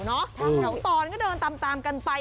เหล่าตอนก็เดินตามกันไป